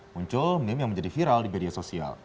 muncul meme yang menjadi viral di media sosial